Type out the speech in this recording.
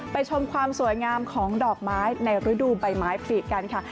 ชมความสวยงามของดอกไม้ในฤดูใบไม้ปีกกันค่ะ